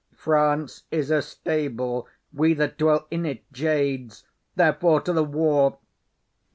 France is a stable; we that dwell in't, jades, Therefore, to th' war!